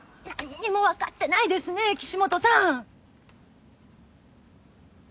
何にもわかってないですね岸本さん。